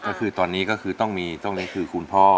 ก็คือตอนนี้ก็คือต้องมีต้องเล็กคือคุณพ่อ